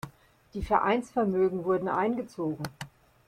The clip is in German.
Die Vereinsvermögen wurden eingezogen.